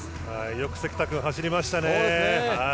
よく関田君走りましたね。